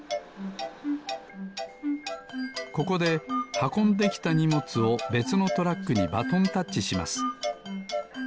ここではこんできたにもつをべつのトラックにバトンタッチします。